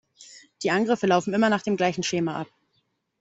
Die Angriffe laufen immer nach dem gleichen Schema ab.